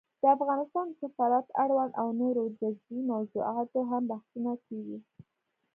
د افغانستان د سفارت اړوند او نورو جزيي موضوعاتو هم بحثونه کېږي